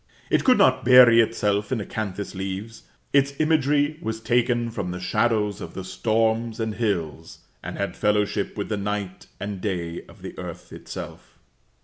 It could not bury itself in acanthus leaves. Its imagery was taken from the shadows of the storms and hills, and had fellowship with the night and day of the earth itself.